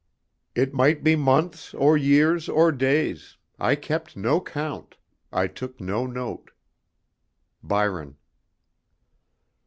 III It might be months, or years, or days, I kept no count, I took no note. BYRON.